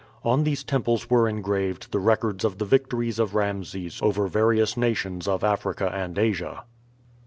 On these temples were engraved the records of the victories of Rameses over various nations of Africa and Asia.